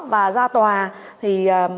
và ra tòa thì